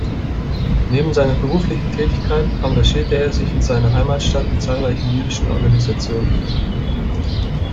Neben seiner beruflichen Tätigkeit engagierte er sich in seiner Heimatstadt in zahlreichen jüdischen Organisationen.